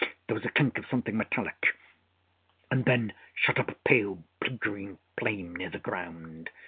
There was a clink of something metallic, and then shot up a pale blue green flame near the ground.